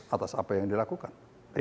atas apa yang dilakukan